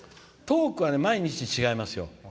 トークは毎日違いますよ。